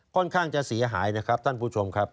ค่อนข้างจะเสียหายนะครับท่านผู้ชมครับ